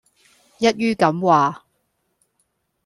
一於咁話